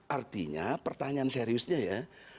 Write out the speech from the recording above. artinya pertanyaan seriusnya ya